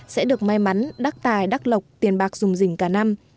sẽ được may mắn đắc tài đắc lộc tiền bạc dùng dình cả năm